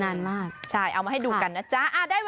นานมากใช่เอามาให้ดูกันนะจ๊ะ